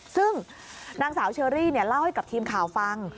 ซึ่งนางสาวเชอรี่เล่าให้กับทีมข่าวฟัง